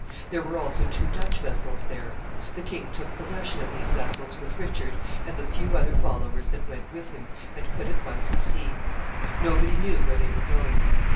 There were also two Dutch vessels there. The king took possession of these vessels, with Richard, and the few other followers that went with him, and put at once to sea. Nobody knew where they were going.